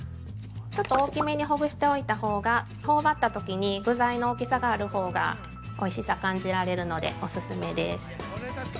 ちょっと大きめにほぐしておいたほうがほおばったときに具材の大きさがあるほうがおいしさ感じられるのでお勧めです。